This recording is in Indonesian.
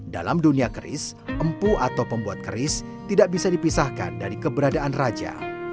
dalam dunia keris empu atau pembuat keris tidak bisa dipisahkan dari keberadaan raja